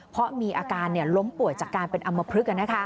เพราะมีอาการล้มป่วยจากการเป็นอำมพลึก